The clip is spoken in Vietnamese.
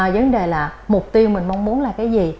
vấn đề là mục tiêu mình mong muốn là cái gì